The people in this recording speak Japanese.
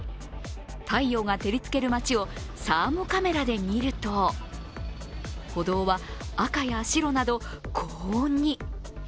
太陽が照りつける街をサーモカメラで見ると、歩道は赤や白など、高温に。